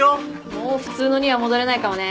もう普通のには戻れないかもね。